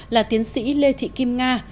là tiến sĩ lê thị kim nga